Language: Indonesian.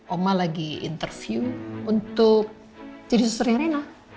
oma lagi interview untuk jadi susternya rena